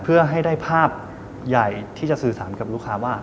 เพื่อให้ได้ภาพใหญ่ที่จะสื่อสารกับลูกค้าว่า